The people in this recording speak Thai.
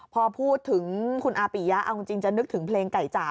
พอพูดถึงคุณอาปิยะเอาจริงจะนึกถึงเพลงไก่จ๋า